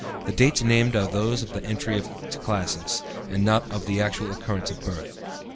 (The dates named are those of the entry to classes, and not of actual occurrence of birth.)